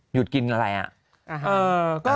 หยุดกินอะไรอ่ะ